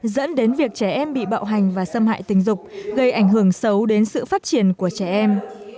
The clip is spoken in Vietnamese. dẫn đến việc trẻ em bị bạo hành và xâm hại tình dục gây ảnh hưởng xấu đến sự phát triển của trẻ em